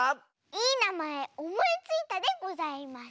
いいなまえおもいついたでございます。